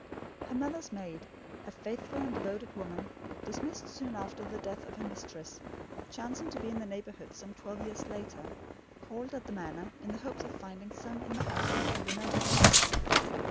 Her mother's maid, a faithful and devoted woman, dismissed soon after the death of her mistress, chancing to be in the neighbourhood some twelve years later, called at the manor, in the hope of finding some in the household who remembered her.